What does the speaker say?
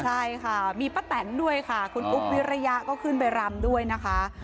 ใช่ค่ะมีป้าแตนด้วยค่ะคุณอุ๊บวิริยะก็ขึ้นไปรำด้วยนะคะ